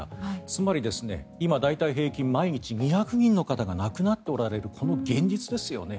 つまり、今大体平均毎日２００人の方が亡くなっておられるこの現実ですよね。